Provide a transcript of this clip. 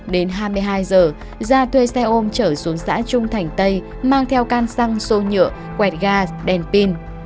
đến hai mươi hai giờ gia thuê xe ôm trở xuống xã trung thành tây mang theo can xăng xô nhựa quẹt gaz đèn pin